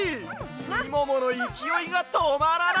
みもものいきおいがとまらない！